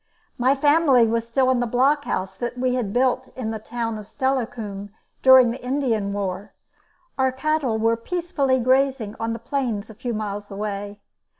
My family was still in the blockhouse that we had built in the town of Steilacoom during the Indian War. Our cattle were peacefully grazing on the plains a few miles away.